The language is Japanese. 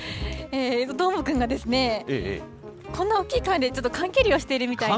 どーもくんがですね、こんな大きい缶で、ちょっと缶蹴りをしてい缶蹴り？